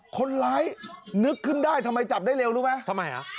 คนร้ายนึกขึ้นได้ทำไมจับได้เร็วรู้ไหม